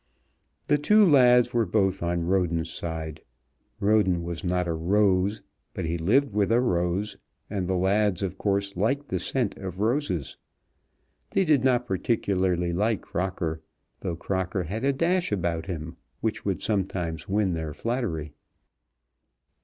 The two lads were both on Roden's side. Roden was not a rose, but he lived with a rose, and the lads of course liked the scent of roses. They did not particularly like Crocker, though Crocker had a dash about him which would sometimes win their flattery.